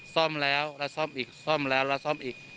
ซ่อมแล้วแล้วซ่อมอีกซ่อมแล้วแล้วซ่อมอีก